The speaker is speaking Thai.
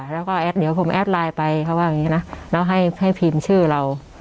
แล้วก็เดี๋ยวผมแอดไลน์ไปเขาว่าอย่างนี้นะแล้วให้พิมพ์ชื่อเรา